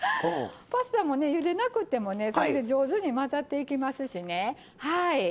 パスタもねゆでなくてもね上手に混ざっていきますしね。